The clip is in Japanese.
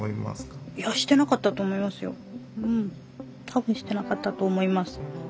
多分してなかったと思います。